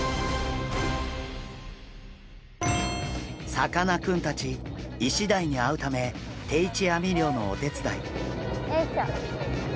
さかなクンたちイシダイに会うため定置網漁のお手伝い。